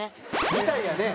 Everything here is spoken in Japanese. みたいやね。